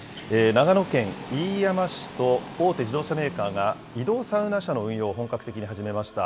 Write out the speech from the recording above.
長野県飯山市と大手自動車メーカーが移動サウナ車の運用を本格的に始めました。